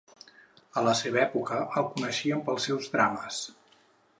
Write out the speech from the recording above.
A la seva època el coneixien pels seus "drames".